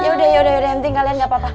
yaudah yaudah yaudah emting kalian gapapa